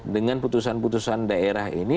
dengan putusan putusan daerah ini